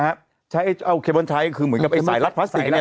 ฮะใช้เอาเขบนชายคือเหมือนกับไอ้สายรัดพลาสติกเนี้ย